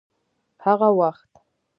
هغه وخت